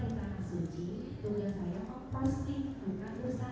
maksan pembinaan tidak pernah